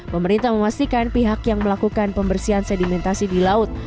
pemerintah memastikan pihak yang melakukan pembersihan sedimentasi di laut